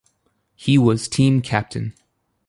He was team captain.